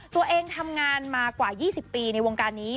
ตัวเองทำงานมากว่า๒๐ปีในวงการนี้